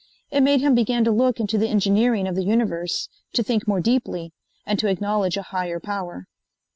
It made him begin to look into the engineering of the universe, to think more deeply, and to acknowledge a Higher Power.